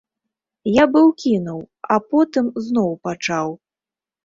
Я быў кінуў, а потым зноў пачаў.